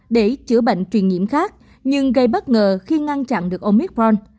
để chữa bệnh truyền nhiễm khác nhưng gây bất ngờ khi ngăn chặn được omicron